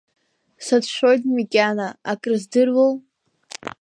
Сацәшәоит макьана, акрыздыруоу…